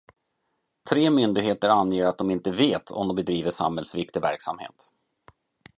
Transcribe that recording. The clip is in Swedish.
Tre myndigheter anger att de inte vet om de bedriver samhällsviktig verksamhet.